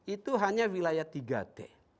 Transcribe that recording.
itu hanya wilayah tiga t